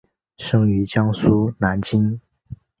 生于江苏南京。